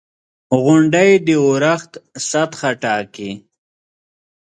• غونډۍ د اورښت سطحه ټاکي.